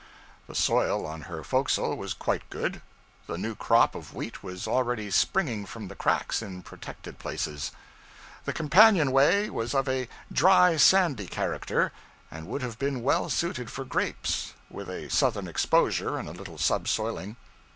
The soil on her forecastle was quite good the new crop of wheat was already springing from the cracks in protected places. The companionway was of a dry sandy character, and would have been well suited for grapes, with a southern exposure and a little subsoiling.